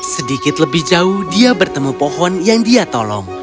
sedikit lebih jauh dia bertemu pohon yang dia tolong